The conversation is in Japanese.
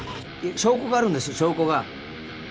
証拠があるんです証拠が。